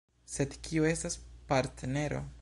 Sed kio estas partnero?